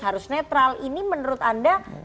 harus netral ini menurut anda